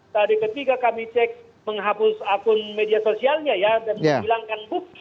tadi ketika kami cek menghapus akun media sosialnya ya dan menghilangkan bukti